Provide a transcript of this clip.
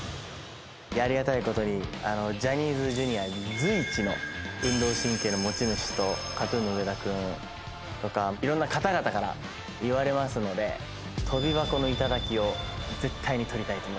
ありがたい事にジャニーズＪｒ．随一の運動神経の持ち主とＫＡＴ−ＴＵＮの上田君とか色んな方々から言われますので跳び箱の頂を絶対に取りたいと思います。